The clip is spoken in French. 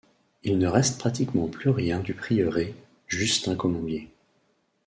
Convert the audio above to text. Il ne reste pratiquement plus rien du Prieuré, juste un colombier.